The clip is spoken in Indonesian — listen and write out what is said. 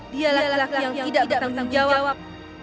dialah laki laki yang tidak bertanggung jawab